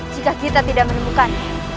jika kita tidak menemukannya